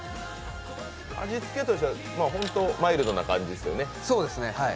味付けとしてはマイルドな感じですよね。